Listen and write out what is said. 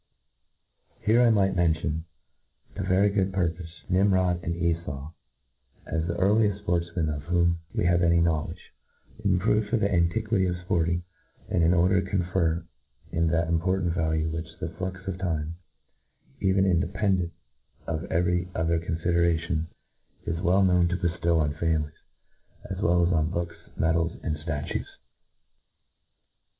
Here I might mention, to very good purpofe, Nimrod and Efau, as the earlidft fportfmen df whom we haye any knowledge, in proof of the antiquity of fporting j and, in order to confer oh it that important value which the flux of time, even independent of every other confideratiort, is i^irell known to beftow on &milies, as well as on books, medals, and ftatues.